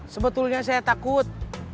sebetulnya saya takut